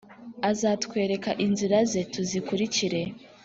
Azatwereka inzira ze, tuzikurikire.»